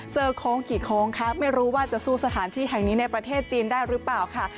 โค้งกี่โค้งคะไม่รู้ว่าจะสู้สถานที่แห่งนี้ในประเทศจีนได้หรือเปล่าค่ะ